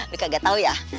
nih kagak tau ya